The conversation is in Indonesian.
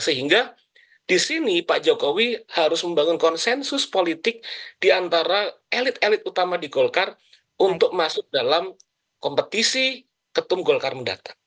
sehingga di sini pak jokowi harus membangun konsensus politik di antara elit elit utama di golkar untuk masuk dalam kompetisi ketum golkar mendatang